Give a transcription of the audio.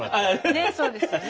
ねえそうですよね。